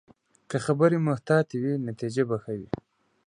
که خبرې محتاطې وي، نتیجه به ښه وي